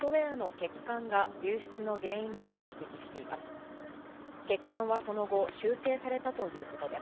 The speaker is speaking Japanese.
欠陥はその後、修正されたということです。